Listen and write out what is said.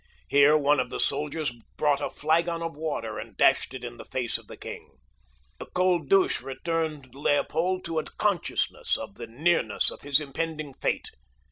Here one of the soldiers brought a flagon of water and dashed it in the face of the king. The cold douche returned Leopold to a consciousness of the nearness of his impending fate.